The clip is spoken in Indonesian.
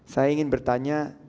saya ingin bertanya